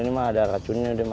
nah sekarang belajar juga ya